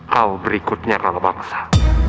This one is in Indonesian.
kau berikutnya ralang bangsa